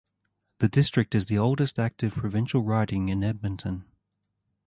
The district is the oldest active provincial riding in Edmonton.